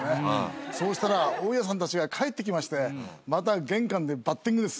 そうしたら大家さんたちが帰ってきましてまた玄関でバッティングです。